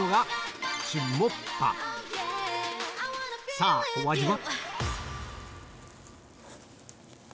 さぁお味は？